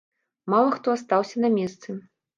Мала хто астаўся на месцы.